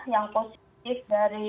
yang positif dari